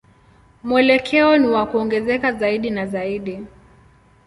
Mwelekeo ni wa kuongezeka zaidi na zaidi.